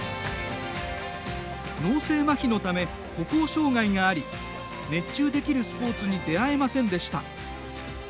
脳性まひのため歩行障がいがあり熱中できるスポーツに出会えませんでした。